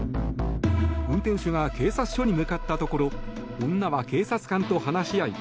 運転手が警察署に向かったところ女は警察官と話し合い